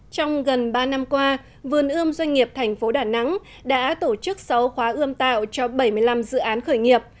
trong gần ba năm qua vườn ươm doanh nghiệp thành phố đà nẵng đã tổ chức sáu khóa ươm tạo cho bảy mươi năm dự án khởi nghiệp